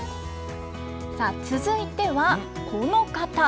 さあ、続いてはこの方。